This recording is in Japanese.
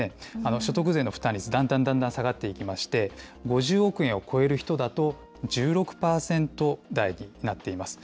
所得税の負担率、だんだんだんだん下がっていきまして、５０億円を超える人だと１６％台になっています。